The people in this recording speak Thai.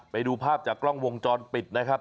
ไปดูภาพจากกล้องวงจรปิดนะครับ